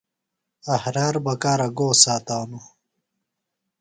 احرار بکارہ گو ساتانوۡ؟